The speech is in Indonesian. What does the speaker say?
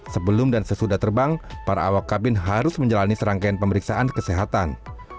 sebelum dan sesudah terbang para awak kabin harus menjalani serangkaian pemeriksaan kesehatan